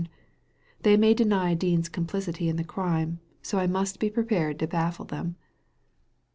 They may deny Dean's complicity in the crime, so I must be prepared to baffle them.'